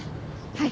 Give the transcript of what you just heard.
はい。